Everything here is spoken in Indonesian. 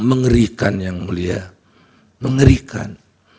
mengerikan yang mulia mengerikan